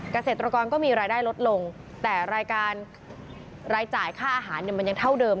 เกษตรกรก็มีรายได้ลดลงแต่รายการรายจ่ายค่าอาหารเนี่ยมันยังเท่าเดิม